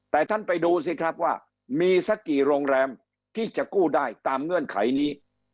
แต่ท่านไปดูสิครับว่ามีสักกี่โรงแรมที่จะกู้ได้ตามเงื่อนไขนี้